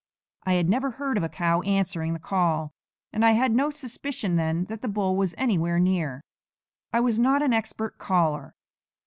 I had never heard of a cow answering the call; and I had no suspicion then that the bull was anywhere near. I was not an expert caller.